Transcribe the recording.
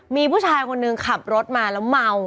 มีผู้ชายคนหนึ่งขับรถมาแล้วเมา